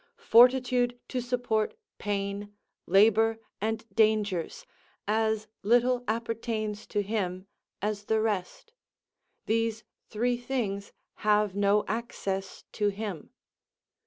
Fortitude to support pain, labour, and dangers, as little appertains to him as the rest; these three things have no access to him.